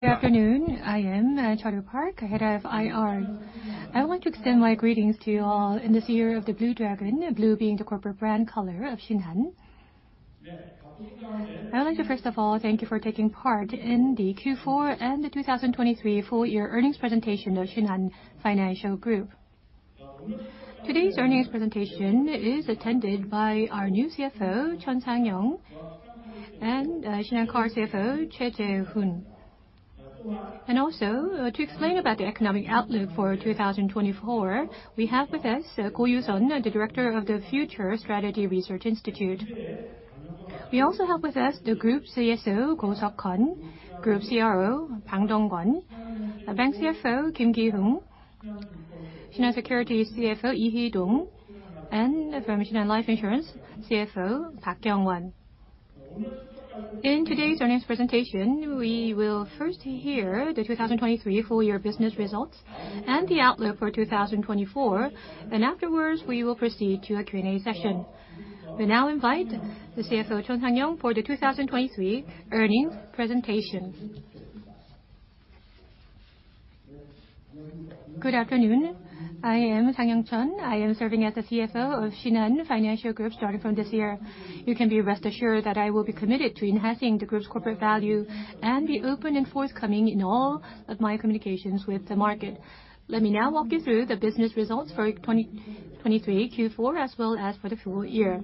Good afternoon, I am, Charlie Park, Head of IR. I would like to extend my greetings to you all in this year of the Blue Dragon, blue being the corporate brand color of Shinhan. I would like to first of all thank you for taking part in the Q4 and The 2023 Full Year Earnings Presentation of Shinhan Financial Group. Today's earnings presentation is attended by our new CFO, Cheon Sang-young, and, Shinhan Card CFO, Choi Jae-hoon. And also, to explain about the economic outlook for 2024, we have with us, Koh Yu-seon, the Director of the Future Strategy Research Institute. We also have with us the group CSO, Koh Seok-heon, Group CRO, Bang Dong-kwon, Bank CFO, Kim Ki-hong, Shinhan Securities CFO, Lee Hee-dong, and from Shinhan Life Insurance, CFO Park Kyung-won.In today's earnings presentation, we will first hear the 2023 full year business results and the outlook for 2024, and afterwards, we will proceed to a Q&A session. We now invite the CFO, Cheon Sang-young, for the 2023 earnings presentation. Good afternoon. I am Sang-young Cheon. I am serving as the CFO of Shinhan Financial Group starting from this year. You can be rest assured that I will be committed to enhancing the group's corporate value and be open and forthcoming in all of my communications with the market. Let me now walk you through the business results for 2023 Q4, as well as for the full year.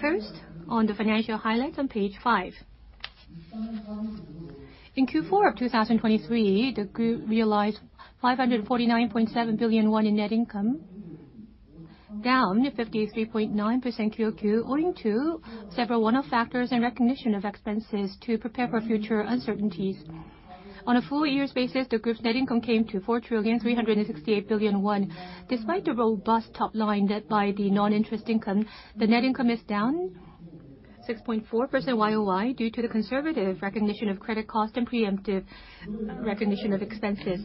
First, on the financial highlights on page five.In Q4 of 2023, the group realized 549.7 billion won in net income, down 53.9% QoQ, owing to several one-off factors and recognition of expenses to prepare for future uncertainties. On a full year basis, the group's net income came to 4,368 billion won. Despite the robust top line led by the non-interest income, the net income is down 6.4% YoY, due to the conservative recognition of credit cost and preemptive recognition of expenses.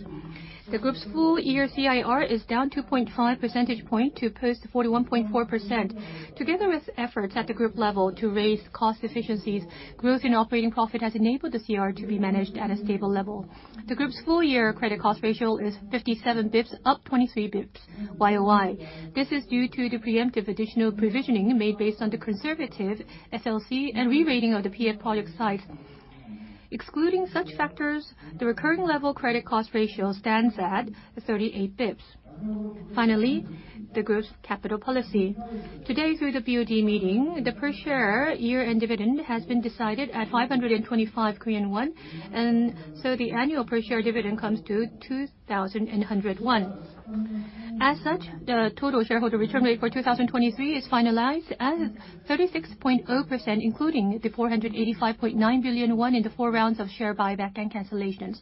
The group's full year CIR is down 2.5% points to post 41.4%. Together with efforts at the group level to raise cost efficiencies, growth in operating profit has enabled the CIR to be managed at a stable level. The group's full year credit cost ratio is 57 basis points, up 23 basis points YoY. This is due to the preemptive additional provisioning made based on the conservative FLC and re-rating of the PF project sites. Excluding such factors, the recurring level credit cost ratio stands at 38 basis points. Finally, the group's capital policy. Today, through the BOD meeting, the per share year-end dividend has been decided at 525 Korean won, and so the annual per share dividend comes to 2,100 won. As such, the total shareholder return rate for 2023 is finalized at 36.0%, including the 485.9 billion won in the four rounds of share buyback and cancellations.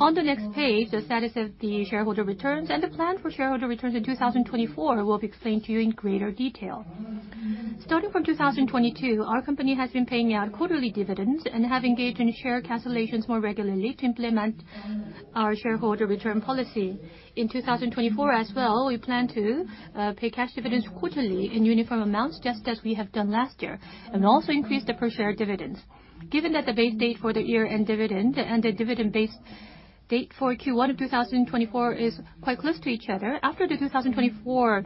On the next page, the status of the shareholder returns and the plan for shareholder returns in 2024 will be explained to you in greater detail. Starting from 2022, our company has been paying out quarterly dividends and have engaged in share cancellations more regularly to implement our shareholder return policy. In 2024 as well, we plan to pay cash dividends quarterly in uniform amounts, just as we have done last year, and also increase the per share dividends. Given that the base date for the year-end dividend and the dividend base date for Q1 of 2024 is quite close to each other, after the 2024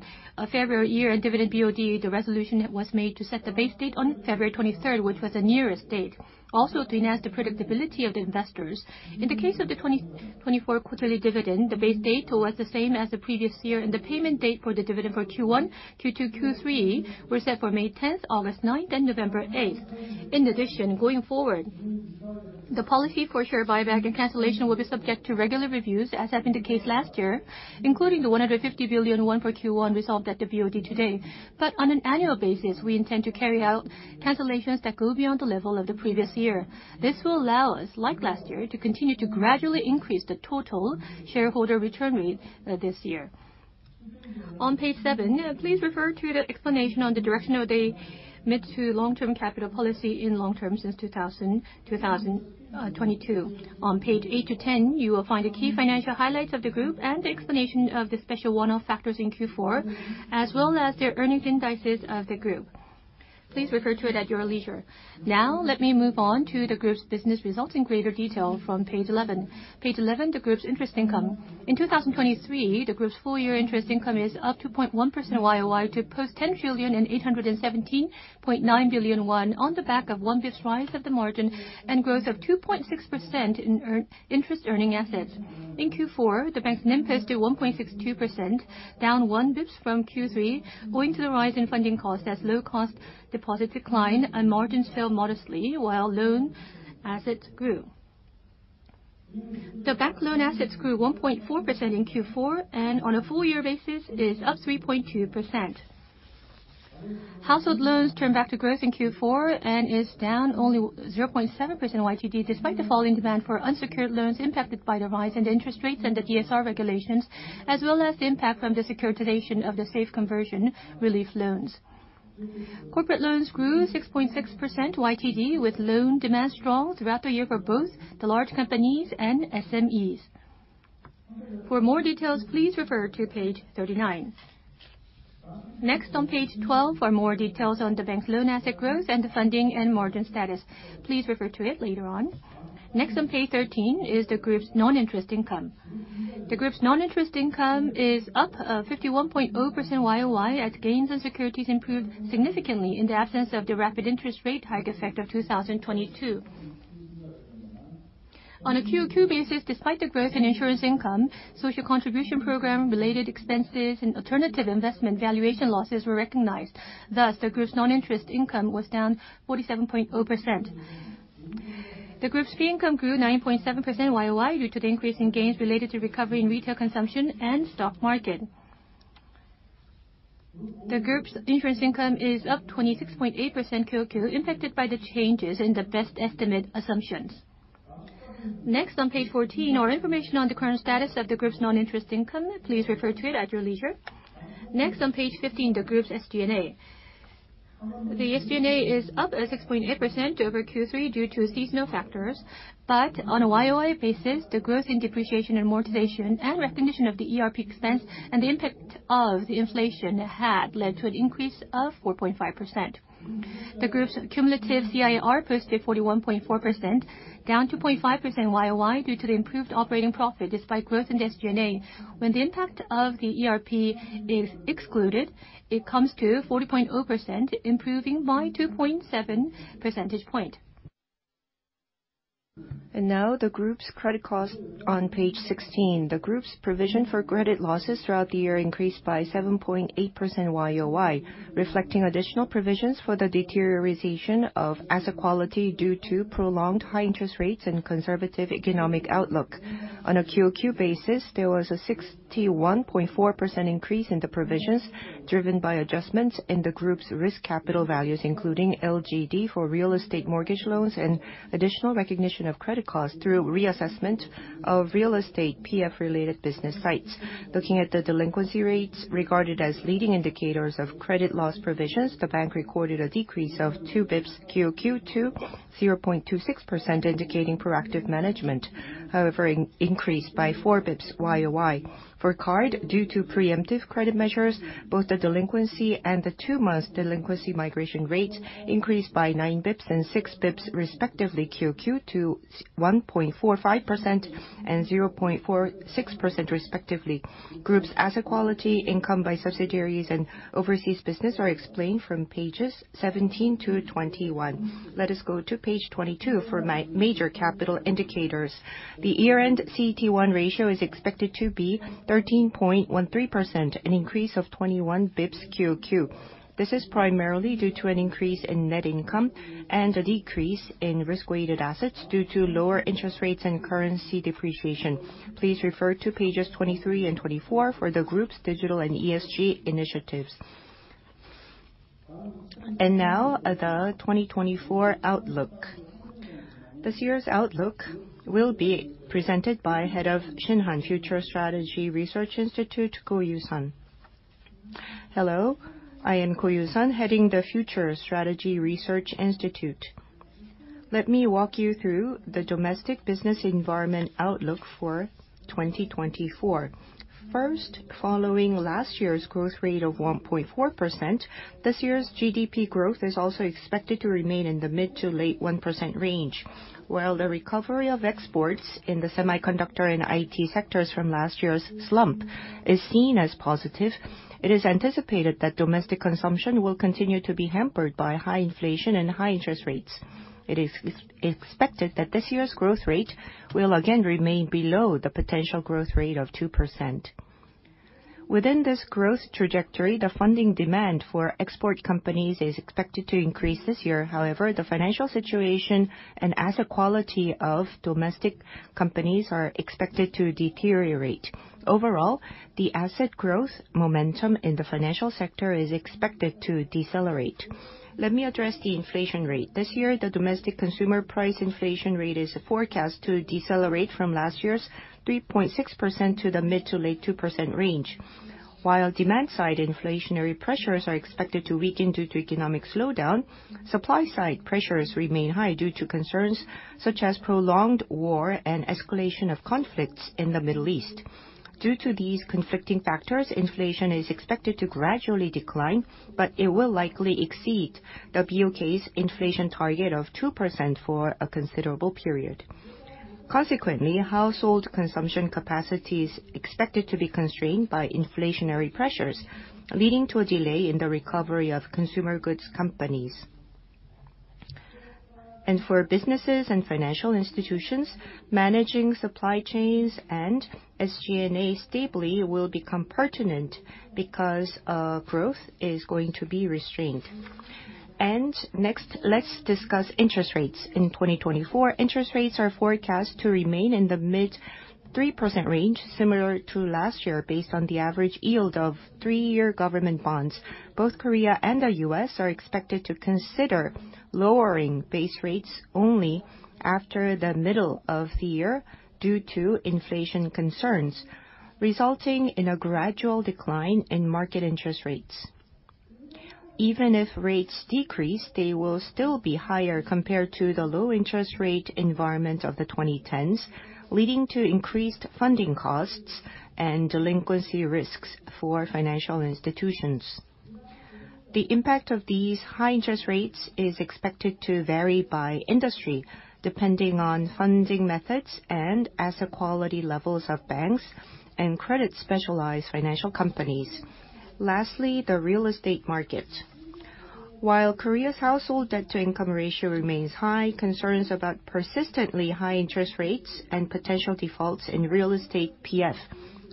February year-end dividend BOD, the resolution was made to set the base date on February twenty-third, which was the nearest date, also to enhance the predictability of the investors. In the case of the 2024 quarterly dividend, the base date was the same as the previous year, and the payment date for the dividend for Q1, Q2, Q3 were set for May 10, August 9, and November 8. In addition, going forward, the policy for share buyback and cancellation will be subject to regular reviews, as had been the case last year, including the 150 billion won for Q1 resolved at the BOD today. But on an annual basis, we intend to carry out cancellations that go beyond the level of the previous year. This will allow us, like last year, to continue to gradually increase the total shareholder return rate, this year. On page seven, please refer to the explanation on the direction of the mid- to long-term capital policy in long term since 2022.On page 8-10, you will find the key financial highlights of the group and the explanation of the special one-off factors in Q4, as well as the earnings indices of the group. Please refer to it at your leisure. Now, let me move on to the group's business results in greater detail from page 11. Page 11, the group's interest income. In 2023, the group's full year interest income is up 2.1% YoY, to post 10,817.9 billion won on the back of 1 basis point rise of the margin and growth of 2.6% in interest-earning assets. In Q4, the bank's NIM fell to 1.62%, down 1 basis point from Q3, owing to the rise in funding costs as low cost deposits declined and margins fell modestly while loan assets grew. The bank loan assets grew 1.4% in Q4, and on a full year basis is up 3.2%. Household loans turned back to growth in Q4 and is down only 0.7% YTD, despite the falling demand for unsecured loans impacted by the rise in interest rates and the DSR regulations, as well as the impact from the securitization of the Safe Conversion Relief Loans. Corporate loans grew 6.6% YTD, with loan demand strong throughout the year for both the large companies and SMEs. For more details, please refer to page 39.... Next on page 12 are more details on the bank's loan asset growth and the funding and margin status. Please refer to it later on. Next, on page 13, is the group's non-interest income. The group's non-interest income is up 51.0% YoY, as gains on securities improved significantly in the absence of the rapid interest rate hike effect of 2022. On a QoQ basis, despite the growth in insurance income, social contribution program related expenses, and alternative investment valuation losses were recognized. Thus, the group's non-interest income was down 47.0%. The group's fee income grew 9.7% YoY due to the increase in gains related to recovery in retail consumption and stock market. The group's interest income is up 26.8% QoQ, impacted by the changes in the best estimate assumptions. Next, on page 14, are information on the current status of the group's non-interest income. Please refer to it at your leisure. Next, on page 15, the group's SG&A. The SG&A is up 6.8% over Q3 due to seasonal factors, but on a YoY basis, the growth in depreciation and amortization and recognition of the ERP expense and the impact of the inflation had led to an increase of 4.5%. The group's cumulative CIR posted 41.4%, down 2.5% YoY due to the improved operating profit despite growth in SG&A. When the impact of the ERP is excluded, it comes to 40.0%, improving by 2.7% point. Now the group's credit cost on page 16.The group's provision for credit losses throughout the year increased by 7.8% YoY, reflecting additional provisions for the deterioration of asset quality due to prolonged high interest rates and conservative economic outlook. On a QoQ basis, there was a 61.4% increase in the provisions, driven by adjustments in the group's risk capital values, including LGD for real estate mortgage loans and additional recognition of credit costs through reassessment of real estate PF-related business sites. Looking at the delinquency rates regarded as leading indicators of credit loss provisions, the bank recorded a decrease of 2 BPS QoQ to 0.26%, indicating proactive management. However, increased by 4 BPS YoY.For card, due to preemptive credit measures, both the delinquency and the two-month delinquency migration rate increased by 9 BPS and 6 BPS respectively, QoQ to 1.45% and 0.46% respectively. Group's asset quality, income by subsidiaries, and overseas business are explained from pages 17-21. Let us go to page 22 for my major capital indicators. The year-end CET1 ratio is expected to be 13.13%, an increase of 21 BPS QoQ. This is primarily due to an increase in net income and a decrease in risk-weighted assets due to lower interest rates and currency depreciation. Please refer to pages 23 and 24 for the group's digital and ESG initiatives. And now, the 2024 outlook. This year's outlook will be presented by Head of Shinhan Future Strategy Research Institute, Koh Yu-seon. Hello, I am Koh Yu-seon, heading the Future Strategy Research Institute. Let me walk you through the domestic business environment outlook for 2024. First, following last year's growth rate of 1.4%, this year's GDP growth is also expected to remain in the mid- to late-1% range. While the recovery of exports in the semiconductor and IT sectors from last year's slump is seen as positive, it is anticipated that domestic consumption will continue to be hampered by high inflation and high interest rates. It is expected that this year's growth rate will again remain below the potential growth rate of 2%. Within this growth trajectory, the funding demand for export companies is expected to increase this year. However, the financial situation and asset quality of domestic companies are expected to deteriorate. Overall, the asset growth momentum in the financial sector is expected to decelerate. Let me address the inflation rate. This year, the domestic consumer price inflation rate is forecast to decelerate from last year's 3.6% to the mid- to late-2% range. While demand-side inflationary pressures are expected to weaken due to economic slowdown, supply-side pressures remain high due to concerns such as prolonged war and escalation of conflicts in the Middle East. Due to these conflicting factors, inflation is expected to gradually decline, but it will likely exceed the BOK's inflation target of 2% for a considerable period. Consequently, household consumption capacity is expected to be constrained by inflationary pressures, leading to a delay in the recovery of consumer goods companies. And for businesses and financial institutions, managing supply chains and SG&A stably will become pertinent because growth is going to be restrained. Next, let's discuss interest rates. In 2024, interest rates are forecast to remain in the mid-3% range, similar to last year, based on the average yield of three year government bonds. Both Korea and the U.S. are expected to consider lowering base rates only after the middle of the year due to inflation concerns, resulting in a gradual decline in market interest rates... Even if rates decrease, they will still be higher compared to the low interest rate environment of the 2010s, leading to increased funding costs and delinquency risks for financial institutions. The impact of these high interest rates is expected to vary by industry, depending on funding methods and asset quality levels of banks and credit specialized financial companies. Lastly, the real estate market. While Korea's household debt-to-income ratio remains high, concerns about persistently high interest rates and potential defaults in real estate PF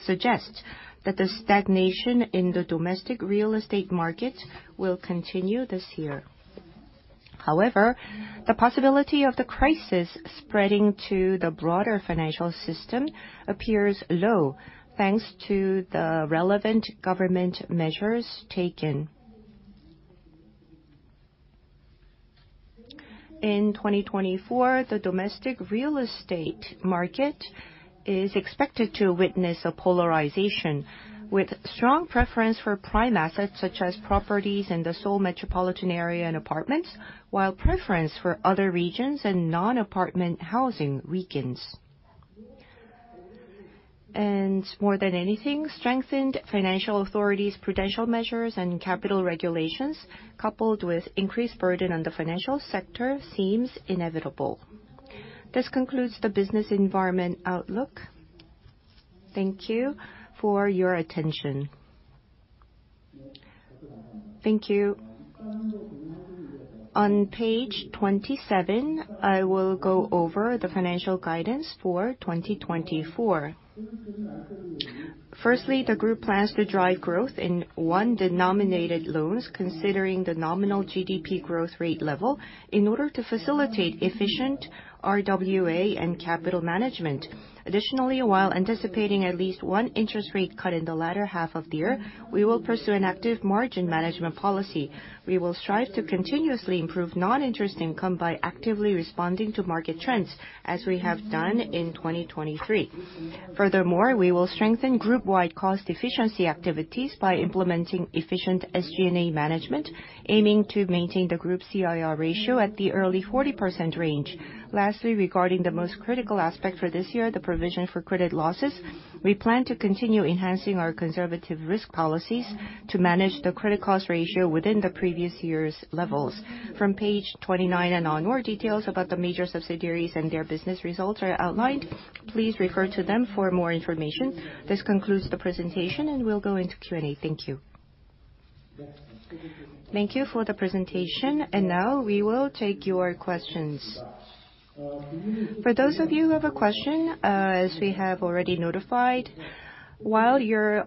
suggest that the stagnation in the domestic real estate market will continue this year. However, the possibility of the crisis spreading to the broader financial system appears low, thanks to the relevant government measures taken. In 2024, the domestic real estate market is expected to witness a polarization, with strong preference for prime assets, such as properties in the Seoul metropolitan area and apartments, while preference for other regions and non-apartment housing weakens. More than anything, strengthened financial authorities, prudential measures, and capital regulations, coupled with increased burden on the financial sector, seems inevitable. This concludes the business environment outlook. Thank you for your attention. Thank you. On page 27, I will go over the financial guidance for 2024.Firstly, the group plans to drive growth in won-denominated loans, considering the nominal GDP growth rate level, in order to facilitate efficient RWA and capital management. Additionally, while anticipating at least one interest rate cut in the latter half of the year, we will pursue an active margin management policy. We will strive to continuously improve non-interest income by actively responding to market trends, as we have done in 2023. Furthermore, we will strengthen group-wide cost efficiency activities by implementing efficient SG&A management, aiming to maintain the group CIR ratio at the early 40% range. Lastly, regarding the most critical aspect for this year, the provision for credit losses, we plan to continue enhancing our conservative risk policies to manage the credit cost ratio within the previous year's levels. From page 29 and onward, details about the major subsidiaries and their business results are outlined. Please refer to them for more information. This concludes the presentation, and we'll go into Q&A. Thank you. Thank you for the presentation, and now we will take your questions. For those of you who have a question, as we have already notified, while you're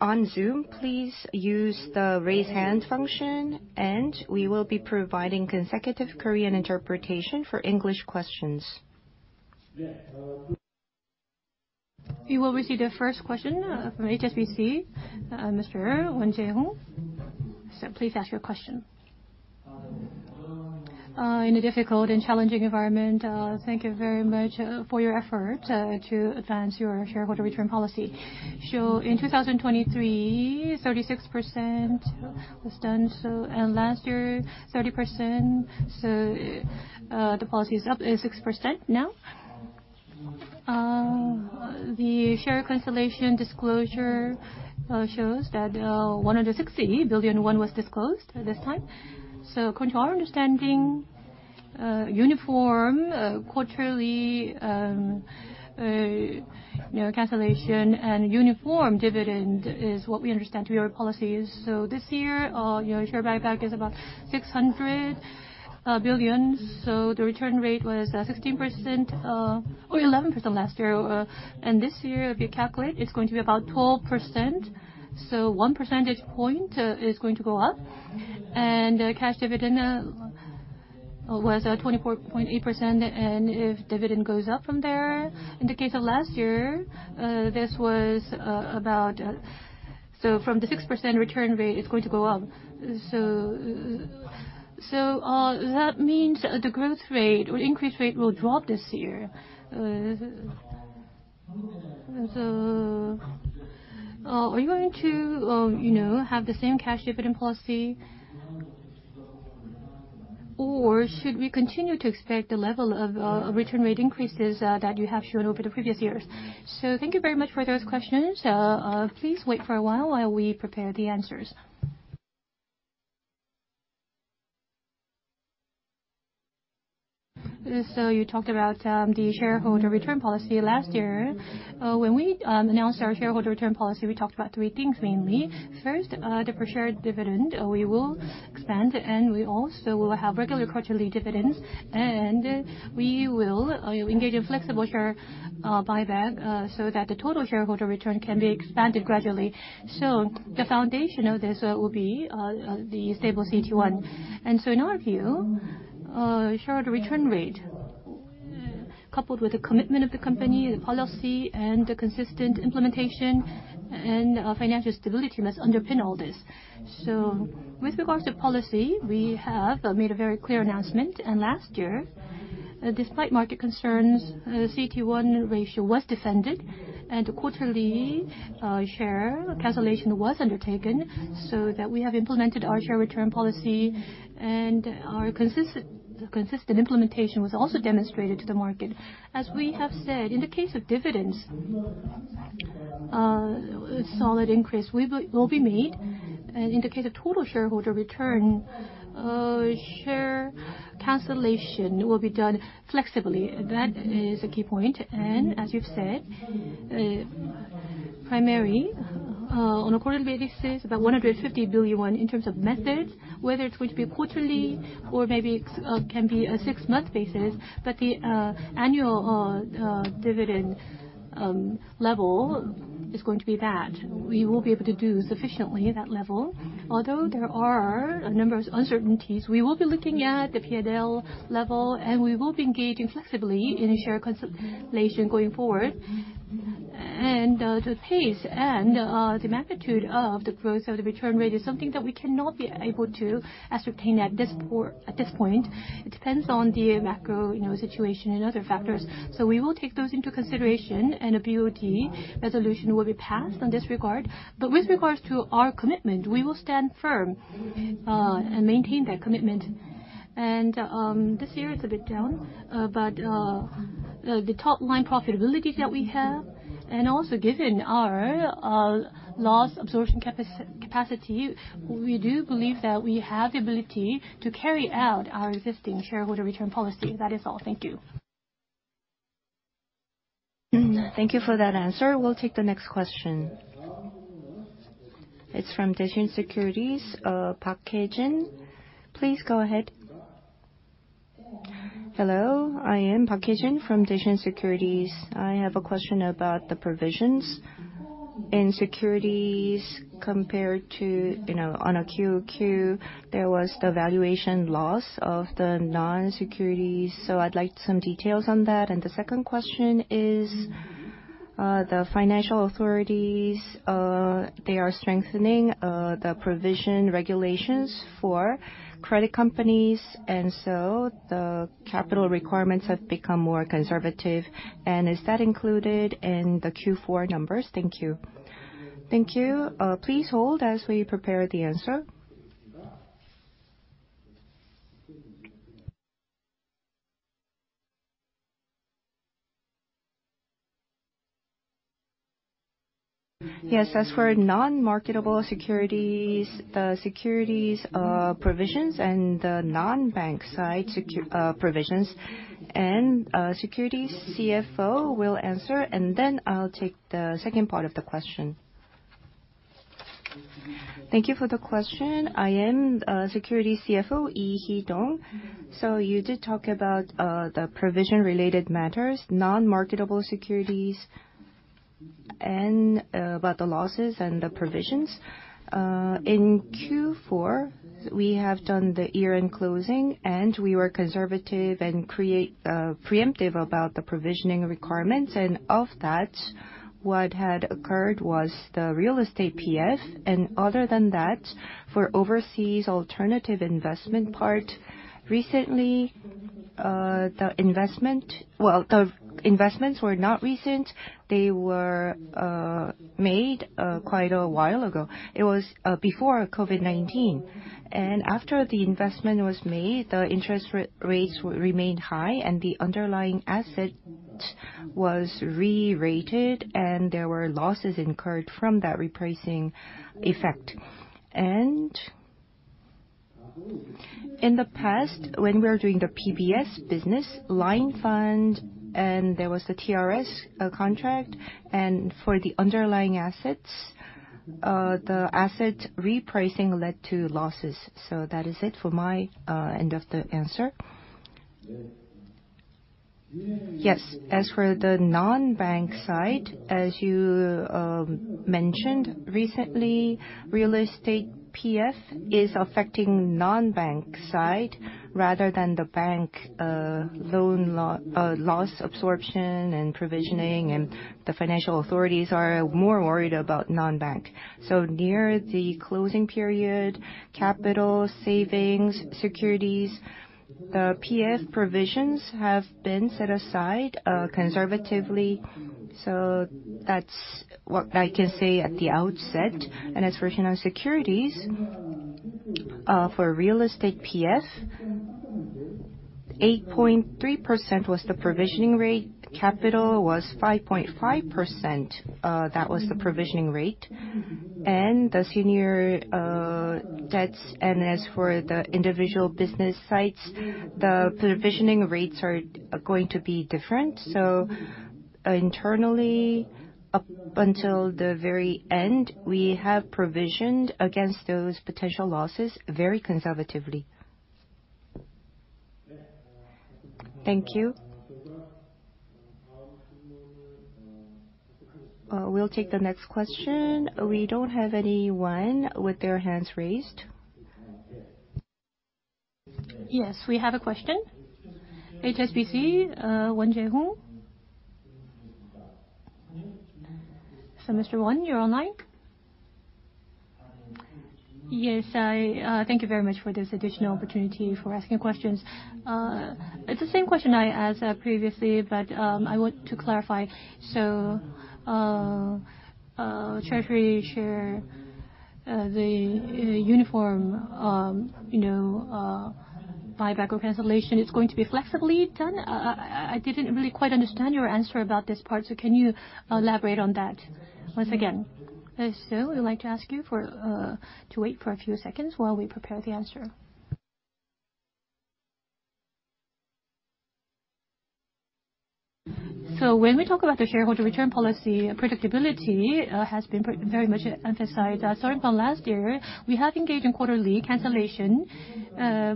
on Zoom, please use the Raise Hand function, and we will be providing consecutive Korean interpretation for English questions. We will receive the first question from HSBC, Mr. Won Jae-woong. So please ask your question. In a difficult and challenging environment, thank you very much for your effort to advance your shareholder return policy. So in 2023, 36% was done, so, and last year, 30%, so the policy is up 6% now. The share consolidation disclosure shows that 160 billion won was disclosed this time. So according to our understanding, uniform quarterly, you know, cancellation and uniform dividend is what we understand to be your policies. So this year, your share buyback is about 600 billion, so the return rate was 16% or 11% last year. And this year, if you calculate, it's going to be about 12%, so one percentage point is going to go up. And, cash dividend was at 24.8%, and if dividend goes up from there, in the case of last year, this was about... So from the 6% return rate, it's going to go up. So, that means the growth rate or increase rate will drop this year. So, are you going to, you know, have the same cash dividend policy? Or should we continue to expect the level of, return rate increases, that you have shown over the previous years? Thank you very much for those questions. Please wait for a while while we prepare the answers. You talked about the shareholder return policy. Last year, when we announced our shareholder return policy, we talked about three things mainly. First, the per-share dividend we will expand, and we also will have regular quarterly dividends, and we will engage in flexible share buyback so that the total shareholder return can be expanded gradually. The foundation of this will be the stable CET1. In our view, shareholder return rate- Coupled with the commitment of the company, the policy, and the consistent implementation, and financial stability must underpin all this. So with regards to policy, we have made a very clear announcement. And last year, despite market concerns, the CET1 ratio was defended, and a quarterly share cancellation was undertaken, so that we have implemented our share return policy, and our consistent, consistent implementation was also demonstrated to the market. As we have said, in the case of dividends, a solid increase will be made. And in the case of total shareholder return, share cancellation will be done flexibly. That is a key point. As you've said, primary, on a quarterly basis, about 150 billion won in terms of methods, whether it's going to be quarterly or maybe it's, can be a six-month basis, but the, annual, dividend, level is going to be that. We will be able to do sufficiently that level. Although there are a number of uncertainties, we will be looking at the P&L level, and we will be engaging flexibly in a share consolidation going forward. And, the pace and, the magnitude of the growth of the return rate is something that we cannot be able to ascertain at this point. It depends on the macro, you know, situation and other factors. So we will take those into consideration, and a BOD resolution will be passed on this regard. But with regards to our commitment, we will stand firm and maintain that commitment. This year is a bit down, but the top-line profitability that we have, and also given our loss absorption capacity, we do believe that we have the ability to carry out our existing shareholder return policy. That is all. Thank you. Thank you for that answer. We'll take the next question. It's from Daishin Securities, Park Hye-jin. Please go ahead. Hello, I am Park Hye-jin from Daishin Securities. I have a question about the provisions in securities compared to, you know, on a QQ, there was the valuation loss of the non-securities. So I'd like some details on that. And the second question is, the financial authorities, they are strengthening, the provision regulations for credit companies, and so the capital requirements have become more conservative. And is that included in the Q4 numbers? Thank you. Thank you. Please hold as we prepare the answer. Yes, as for non-marketable securities provisions and the non-bank side securities provisions, and, securities CFO will answer, and then I'll take the second part of the question. Thank you for the question. I am Securities CFO Lee Hee-dong. So you did talk about the provision-related matters, non-marketable securities, and about the losses and the provisions. In Q4, we have done the year-end closing, and we were conservative and create preemptive about the provisioning requirements. And of that, what had occurred was the real estate PF. And other than that, for overseas alternative investment part, recently, the investment... Well, the investments were not recent. They were made quite a while ago. It was before COVID-19. And after the investment was made, the interest rates remained high, and the underlying asset was re-rated, and there were losses incurred from that repricing effect.In the past, when we were doing the PBS business line fund, and there was a TRS contract, and for the underlying assets, the asset repricing led to losses. So that is it for my end of the answer. Yes, as for the non-bank side, as you mentioned, recently, real estate PF is affecting non-bank side rather than the bank, loan loss absorption and provisioning, and the financial authorities are more worried about non-bank. So near the closing period, Capital, Savings, securities, PF provisions have been set aside conservatively. So that's what I can say at the outset. And as for non-securities, for real estate PF, 8.3% was the provisioning rate. Capital was 5.5%, that was the provisioning rate. The senior debts and as for the individual business sites, the provisioning rates are going to be different. So internally, up until the very end, we have provisioned against those potential losses very conservatively. Thank you. We'll take the next question. We don't have anyone with their hands raised. Yes, we have a question. HSBC, Won Jae-woong. So Mr. Won, you're online? Yes, I thank you very much for this additional opportunity for asking questions. It's the same question I asked previously, but I want to clarify. So, Treasury share, the uniform, you know, buyback or cancellation is going to be flexibly done? I didn't really quite understand your answer about this part, so can you elaborate on that once again? So we'd like to ask you for, to wait for a few seconds while we prepare the answer. So when we talk about the shareholder return policy, predictability has been very much emphasized. Starting from last year, we have engaged in quarterly cancellation,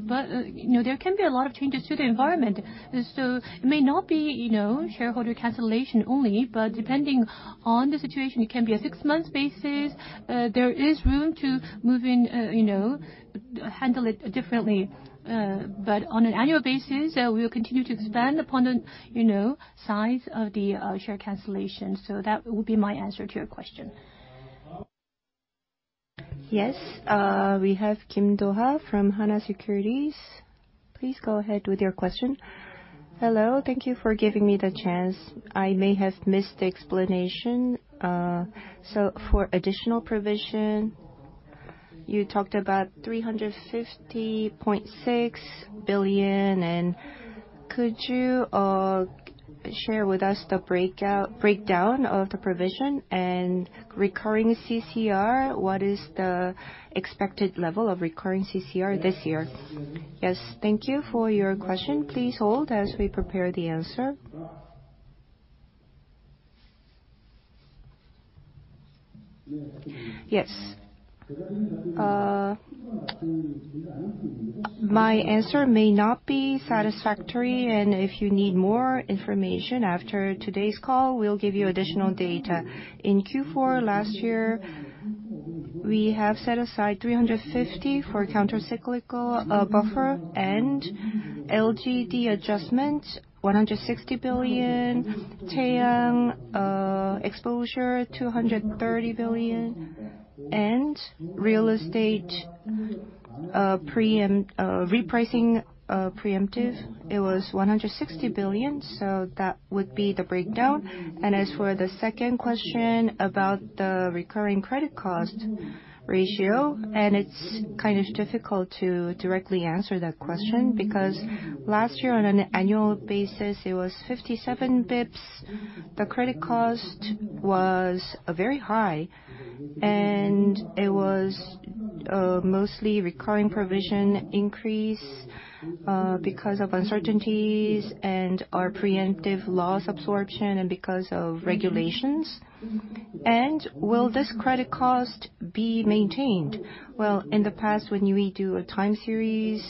but, you know, there can be a lot of changes to the environment. So it may not be, you know, shareholder cancellation only, but depending on the situation, it can be a six-month basis. There is room to move in, you know, handle it differently. But on an annual basis, we'll continue to expand upon the, you know, size of the share cancellation. So that would be my answer to your question. Yes, we have Kim Do-ha from Hana Securities. Please go ahead with your question. Hello. Thank you for giving me the chance. I may have missed the explanation. So for additional provision, you talked about 350.6 billion, and could you share with us the breakdown of the provision and recurring CCR? What is the expected level of recurring CCR this year? Yes, thank you for your question. Please hold as we prepare the answer. Yes, my answer may not be satisfactory, and if you need more information after today's call, we'll give you additional data. In Q4 last year, we have set aside 350 for countercyclical buffer and LGD adjustment, 160 billion Taeyoung exposure, 230 billion, and real estate repricing preemptive, it was 160 billion. So that would be the breakdown. And as for the second question about the recurring credit cost ratio, and it's kind of difficult to directly answer that question, because last year, on an annual basis, it was 57 basis points. The credit cost was very high, and it was mostly recurring provision increase because of uncertainties and our preemptive loss absorption and because of regulations. Will this credit cost be maintained? Well, in the past, when we do a time series,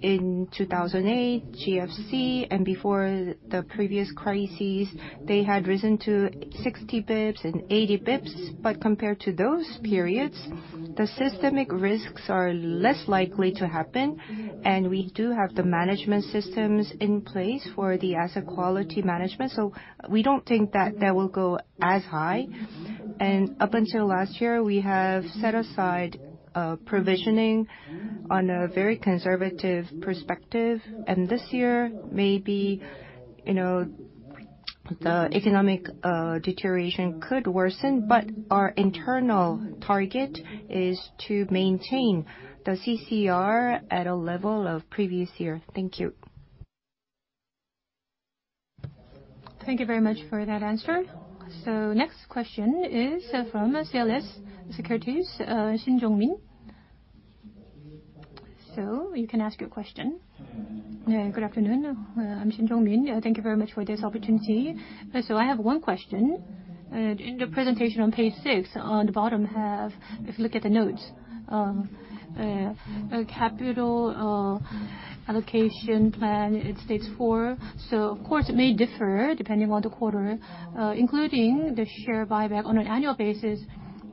in 2008, GFC, and before the previous crises, they had risen to 60 BPS and 80 BPS. But compared to those periods, the systemic risks are less likely to happen, and we do have the management systems in place for the asset quality management, so we don't think that that will go as high. And up until last year, we have set aside provisioning on a very conservative perspective, and this year, maybe, you know, the economic deterioration could worsen, but our internal target is to maintain the CCR at a level of previous year. Thank you. Thank you very much for that answer. So next question is from CLSA Securities, Shin Jong-min. So you can ask your question. Good afternoon. I'm Shin Jong-min. Thank you very much for this opportunity. So I have one question. In the presentation on page six, on the bottom half, if you look at the notes, a capital allocation plan, it states 4. Of course, it may differ depending on the quarter, including the share buyback on an annual basis,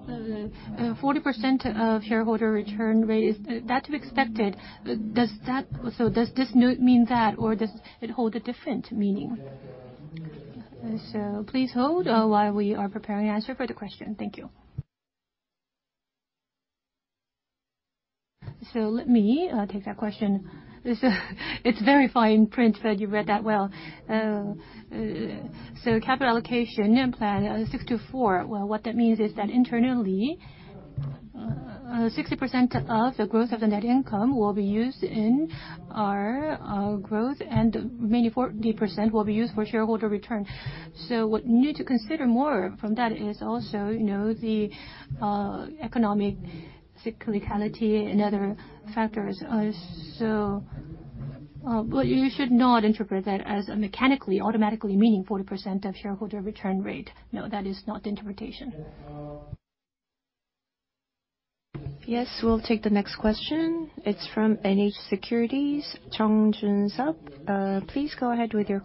40% shareholder return rate, is that to be expected? Does that, so does this note mean that, or does it hold a different meaning? So please hold while we are preparing an answer for the question. Thank you. So let me take that question. It's very fine print, but you read that well. So capital allocation plan, 60-40. Well, what that means is that internally, 60% of the growth of the net income will be used in our growth, and maybe 40% will be used for shareholder return. So what you need to consider more from that is also, you know, the economic cyclicality and other factors. So well, you should not interpret that as a mechanically, automatically meaning 40% of shareholder return rate. No, that is not the interpretation. Yes, we'll take the next question. It's from NH Securities, Chung Jun-sup. Please go ahead with your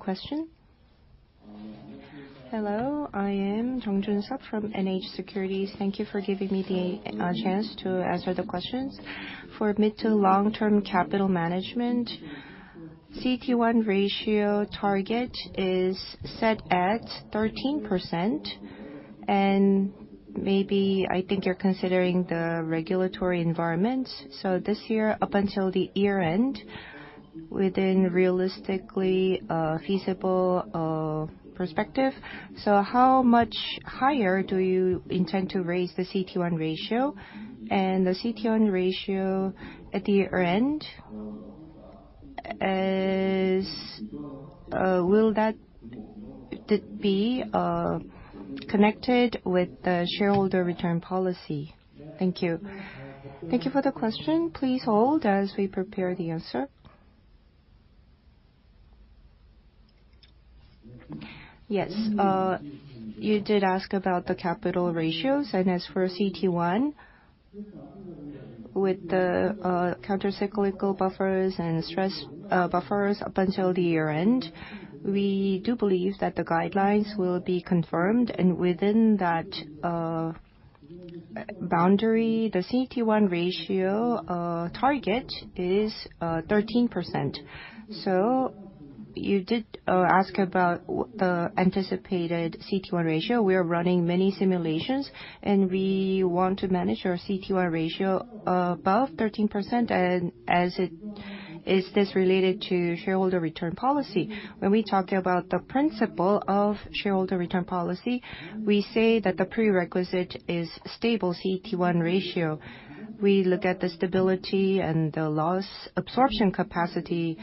question. Hello, I am Chung Jun-sup from NH Investment & Securities. Thank you for giving me the chance to answer the questions. For mid- to long-term capital management, CET1 ratio target is set at 13%, and maybe I think you're considering the regulatory environment. So this year, up until the year-end, within realistically feasible perspective, so how much higher do you intend to raise the CET1 ratio? And the CET1 ratio at the year-end, will that be connected with the shareholder return policy? Thank you. Thank you for the question. Please hold as we prepare the answer. Yes, you did ask about the capital ratios, and as for CET1, with the countercyclical buffers and stress buffers up until the year-end, we do believe that the guidelines will be confirmed. And within that boundary, the CET1 ratio target is 13%. So you did ask about the anticipated CET1 ratio. We are running many simulations, and we want to manage our CET1 ratio above 13%. And as it is, is this related to shareholder return policy? When we talked about the principle of shareholder return policy, we say that the prerequisite is stable CET1 ratio. We look at the stability and the loss absorption capacity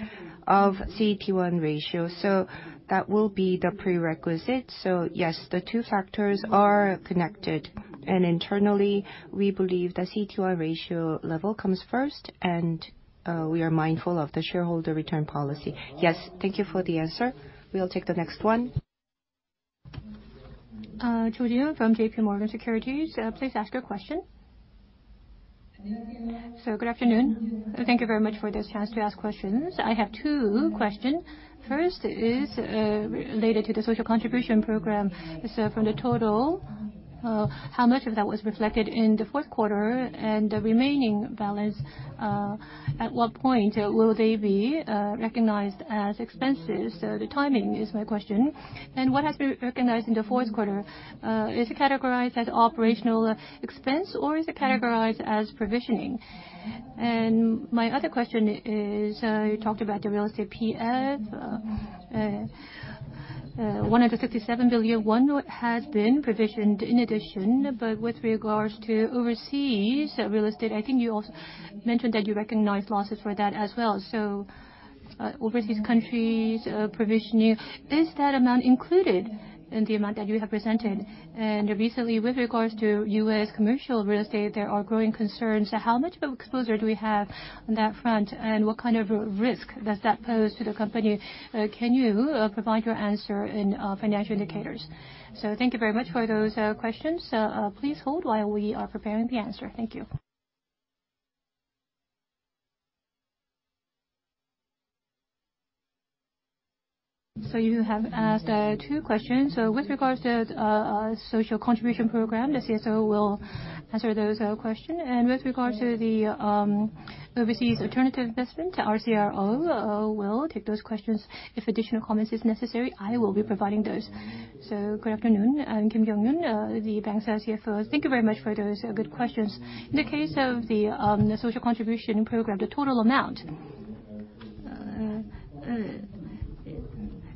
of CET1 ratio, so that will be the prerequisite. So yes, the two factors are connected, and internally, we believe the CET1 ratio level comes first, and we are mindful of the shareholder return policy. Yes. Thank you for the answer. We'll take the next one. Cho Ji-hyun from JPMorgan Securities, please ask your question. So good afternoon. Thank you very much for this chance to ask questions. I have two questions. First is related to the social contribution program. So from the total, how much of that was reflected in the fourth quarter, and the remaining balance, at what point will they be recognized as expenses? So the timing is my question. And what has been recognized in the fourth quarter? Is it categorized as operational expense, or is it categorized as provisioning? And my other question is, you talked about the real estate PF. one of the 57 billion won has been provisioned in addition, but with regards to overseas real estate, I think you also mentioned that you recognized losses for that as well. So, overseas countries, provisioning, is that amount included in the amount that you have presented? Recently, with regards to US commercial real estate, there are growing concerns. How much of exposure do we have on that front, and what kind of risk does that pose to the company? Can you provide your answer in financial indicators? So thank you very much for those questions. Please hold while we are preparing the answer. Thank you. You have asked two questions. With regards to social contribution program, the CSO will answer those question. And with regards to the overseas alternative investment, our CRO will take those questions. If additional comments is necessary, I will be providing those. Good afternoon, I'm Kim Ki-Hong, the bank's CFO. Thank you very much for those good questions. In the case of the social contribution program, the total amount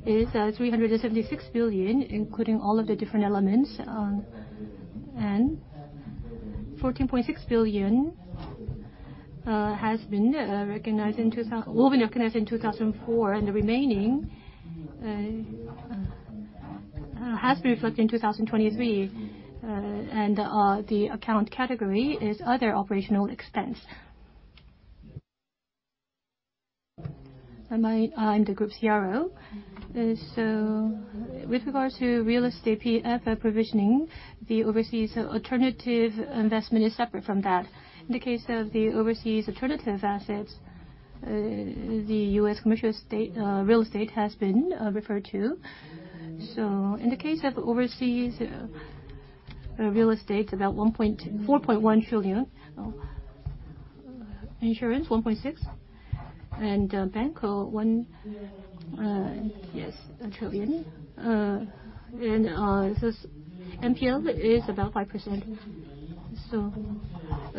is 376 billion, including all of the different elements, and 14.6 billion has been recognized in 2004, and the remaining has been reflected in 2023.The account category is Other Operational Expense. I'm the group's CRO. So with regards to real estate PF provisioning, the overseas alternative investment is separate from that. In the case of the overseas alternative assets, the US commercial real estate has been referred to. So in the case of overseas real estate, about 1.41 trillion, insurance 1.6 trillion, and bank 1 trillion. And this NPL is about 5%. So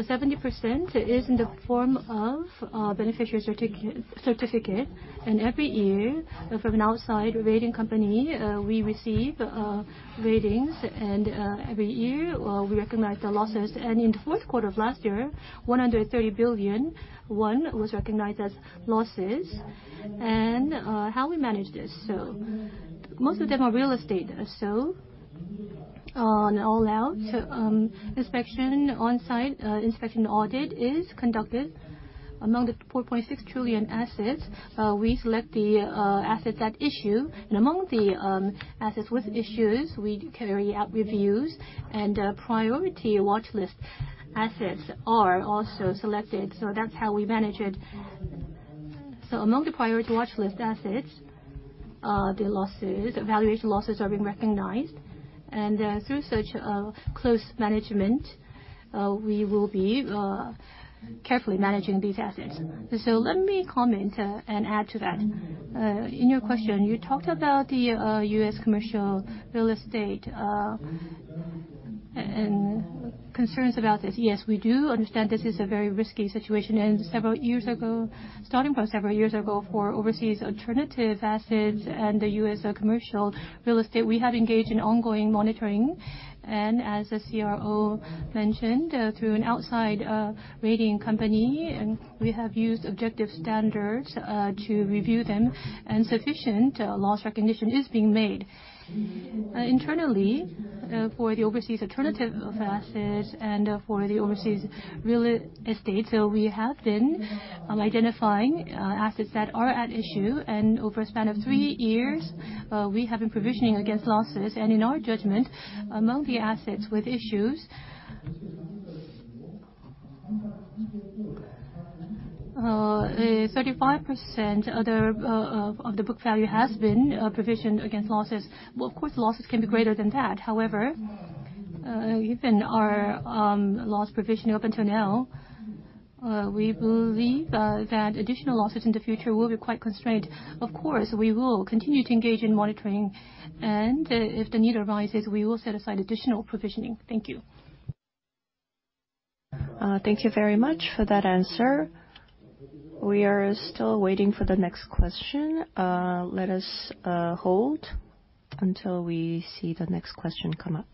70% is in the form of beneficiary certificate, and every year, from an outside rating company, we receive ratings, and every year we recognize the losses. And in the fourth quarter of last year, 130 billion won was recognized as losses. How we manage this? So most of them are real estate. So, on all-out, on-site inspection audit is conducted. Among the 4.6 trillion assets, we select the, assets at issue, and among the, assets with issues, we carry out reviews, and, priority watchlist assets are also selected. So that's how we manage it. So among the priority watch list assets, the losses, valuation losses are being recognized, and, through such, close management, we will be, carefully managing these assets. So let me comment, and add to that. In your question, you talked about the, US commercial real estate, and, and concerns about this. Yes, we do understand this is a very risky situation, and several years ago, starting from several years ago, for overseas alternative assets and the US commercial real estate, we have engaged in ongoing monitoring. And as the CRO mentioned, through an outside rating company, and we have used objective standards to review them, and sufficient loss recognition is being made. Internally, for the overseas alternative assets and for the overseas real estate, so we have been identifying assets that are at issue, and over a span of three years, we have been provisioning against losses. And in our judgment, among the assets with issues, 35% of the book value has been provisioned against losses. Well, of course, losses can be greater than that. However, given our loss provision up until now, we believe that additional losses in the future will be quite constrained. Of course, we will continue to engage in monitoring, and if the need arises, we will set aside additional provisioning. Thank you. Thank you very much for that answer. We are still waiting for the next question. Let us hold until we see the next question come up.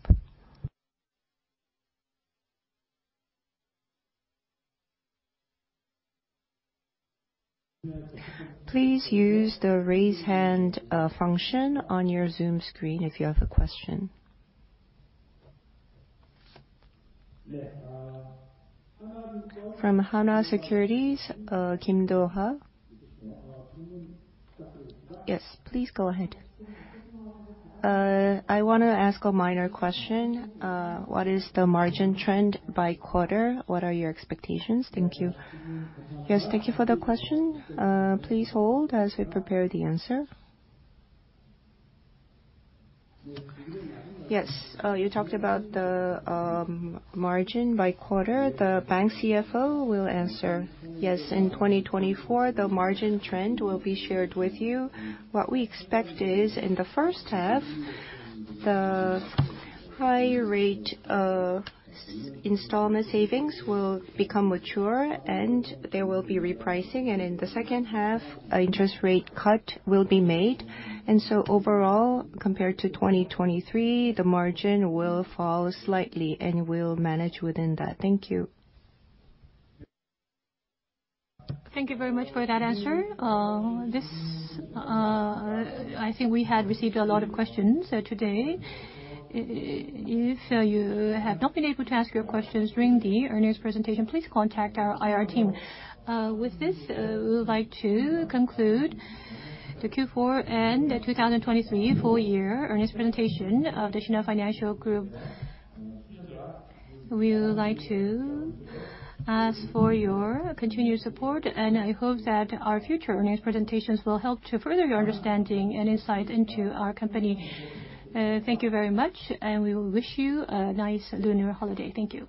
Please use the Raise Hand function on your Zoom screen if you have a question. Yeah, from Hana Securities, Kim Doha. Yes, please go ahead. I wanna ask a minor question. What is the margin trend by quarter? What are your expectations? Thank you. Yes, thank you for the question. Please hold as we prepare the answer. Yes, you talked about the margin by quarter. The bank CFO will answer. Yes, in 2024, the margin trend will be shared with you. What we expect is, in the first half, the high rate installment savings will become mature, and there will be repricing. And in the second half, an interest rate cut will be made. And so overall, compared to 2023, the margin will fall slightly, and we'll manage within that. Thank you. Thank you very much for that answer. This, I think we had received a lot of questions, today. If you have not been able to ask your questions during the earnings presentation, please contact our IR team. With this, we would like to conclude The Q4 and The 2023 Full Year Earnings Presentation of the Shinhan Financial Group. We would like to ask for your continued support, and I hope that our future earnings presentations will help to further your understanding and insight into our company. Thank you very much, and we will wish you a nice lunar holiday. Thank you.